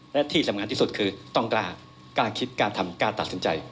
และที่สำคัญที่สุดคือต้องกล้าคิดกล้าทำกล้าตัดสินใจ